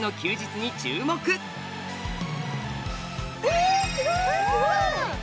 えすごい！